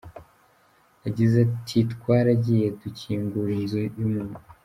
Yagize ati ”Twaragiye dukingura inzu y’umuntu .